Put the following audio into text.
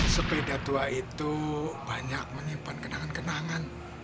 sepeda tua itu banyak menyimpan kenangan kenangan